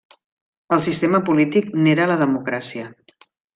El sistema polític n'era la democràcia.